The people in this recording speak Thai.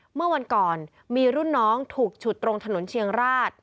เมื่อวันก่อนมีรุ่นน้องถูกฉุดตรงถนนเชียงราช